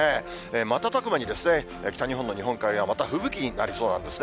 瞬く間に、北日本の日本海側はまた吹雪になりそうなんですね。